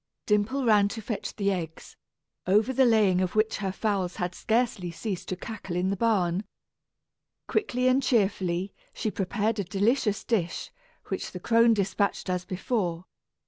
Dimple ran to fetch the eggs, over the laying of which her fowls had scarcely ceased to cackle in the barn. Quickly and cheerfully, she prepared a delicious dish, which the crone despatched as before.